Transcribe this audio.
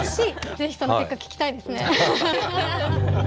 是非その結果聞きたいですね。